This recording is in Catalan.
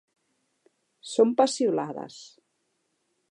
Són peciolades.